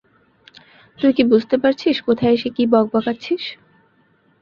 তুই কি বুঝতে পারছিস কোথায় এসে কী বকবকাচ্ছিস?